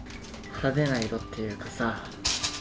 派手な色っていうかさ。